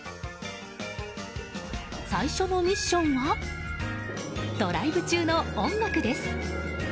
最初のミッションはドライブ中の音楽です。